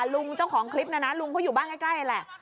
ลุงเจ้าของคลิปนะนะลุงเขาอยู่บ้านใกล้แหละ